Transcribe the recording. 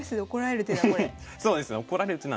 そうですね。